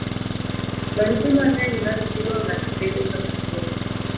barupe mang'eny mag jiwo ng'ato bedo ga machuok